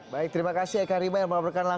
baik terima kasih eka